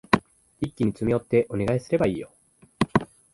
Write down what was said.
一気に詰め寄ってお願いすればいいよ。